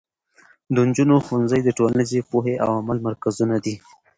د نجونو ښوونځي د ټولنیزې پوهې او عمل مرکزونه دي.